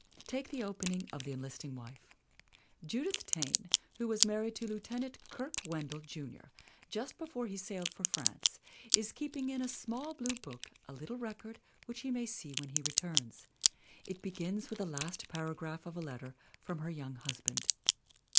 Take the opening of The Enlisting Wife: "Judith Taine, who was married to Lieutenant Kirke Wendell, Junior, just before he sailed for France, is keeping in a small blue book a little record which he may see when he returns. It begins with the last paragraph of a letter from her young husband.